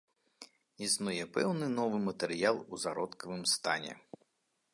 Існуе пэўны новы матэрыял у зародкавым стане.